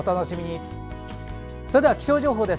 それでは気象情報です。